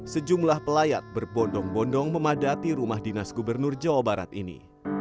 sejumlah pelayat berbondong bondong memadati rumah dinas gubernur jawa barat ini